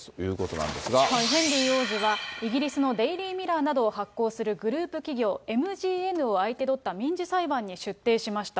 なんヘンリー王子は、イギリスのデイリー・ミラーなどを発行するグループ企業、ＭＧＮを相手取った民事裁判に出廷しました。